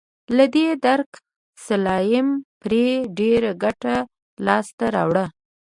له دې درکه سلایم پرې ډېره ګټه لاسته راوړه.